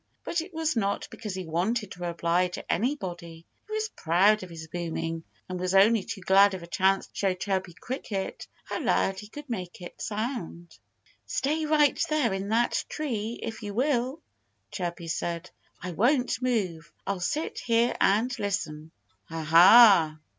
But it was not because he wanted to oblige anybody. He was proud of his booming. And he was only too glad of a chance to show Chirpy Cricket how loud he could make it sound. "Stay right there in that tree, if you will!" Chirpy said. "I won't move. I'll sit here and listen." "Ha, ha!"